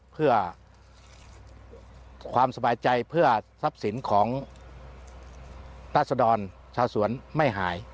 เพื่อความสบายใจเพื่อทรัพย์สินของราศดรชาวสวนไม่หาย